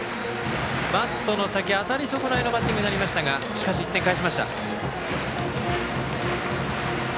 バットの先、当たり損ないのバッティングになりましたがしかし、１点、返しました。